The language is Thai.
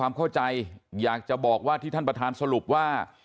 ผมขออนุญาตหารือท่านประธานนิดนึงครับ